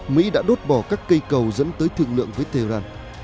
mỹ đã đốt bỏ các cây cầu dẫn tới thượng lượng với tehran